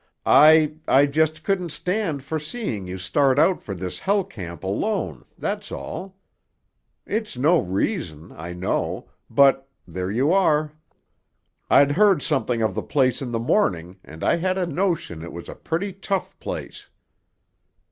I—I just couldn't stand for seeing you start out for this Hell Camp alone; that's all. It's no reason, I know, but—there you are. I'd heard something of the place in the morning and I had a notion it was a pretty tough place.